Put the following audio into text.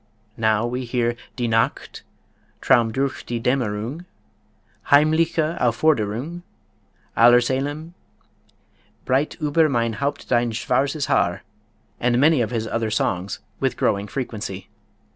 Now we hear "Die Nacht," "Traum durch die Dämmerung," "Heimliche Aufforderung," "Allerseelem," "Breit über mein Haupt Dein schwarzes Haar," and many of his other songs with growing frequency.